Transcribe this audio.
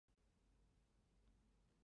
此场地禁止吸烟。